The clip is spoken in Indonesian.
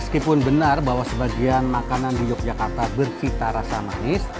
meskipun benar bahwa sebagian makanan di yogyakarta bercita rasa manis